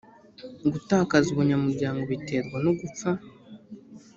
gutakaza ubunyamuryango biterwa no gupfa